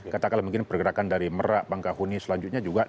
katakanlah mungkin pergerakan dari merak bangkahuni selanjutnya juga